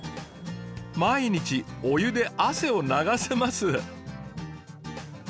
毎日お湯で汗を流せます。